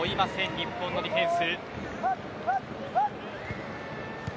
日本のディフェンス。